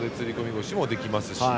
腰もできますし。